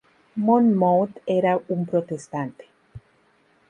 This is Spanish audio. Monmouth era un protestante.